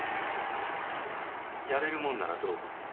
やれるもんならどうぞ。